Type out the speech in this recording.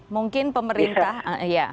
mungkin pemerintah ya